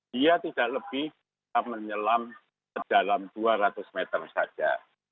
dia tidak lebih menyelam sedalam dua ratus meter saja